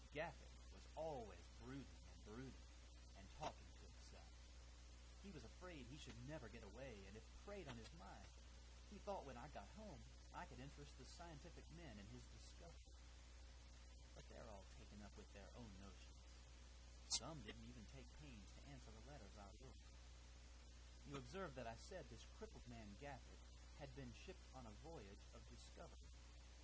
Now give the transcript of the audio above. "Gaffett was always brooding and brooding, and talking to himself; he was afraid he should never get away, and it preyed upon his mind. He thought when I got home I could interest the scientific men in his discovery: but they're all taken up with their own notions; some didn't even take pains to answer the letters I wrote. You observe that I said this crippled man Gaffett had been shipped on a voyage of discovery.